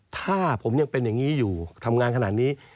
ถ้าผมยังเป็นอย่างนี้อยู่ทำงานขนาดนี้